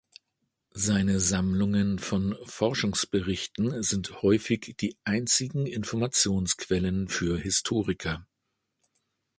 Seine Sammlungen von Forschungsberichten sind häufig die einzigen Informationsquellen für Historiker.